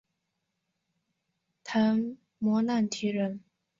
昙摩难提人。